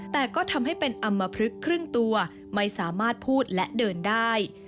แต่ก็ทำให้เป็นอำมพลึกครึ่งตัวไม่สามารถพูดและเดินได้